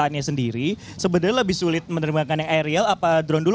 kita sendiri sebenarnya lebih sulit menerima yang aerial apa drone dulu